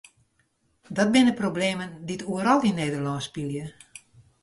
Dat binne problemen dy't oeral yn Nederlân spylje.